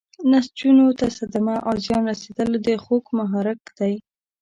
نسجونو ته صدمه او زیان رسیدل د خوږ محرک دی.